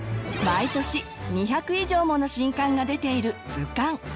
毎年２００以上もの新刊が出ている図鑑。